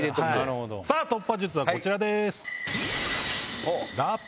さぁ突破術はこちらです。